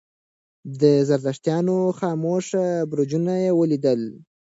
د زردشتانو خاموشه برجونه یې ولیدل.